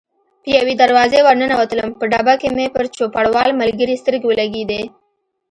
په یوې دروازې ور ننوتلم، په ډبه کې مې پر چوپړوال ملګري سترګې ولګېدې.